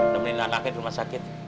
nemenin anaknya ke rumah sakit